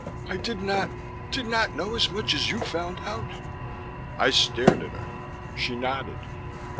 I did not did not know as much as you found out." I stared at her. She nodded.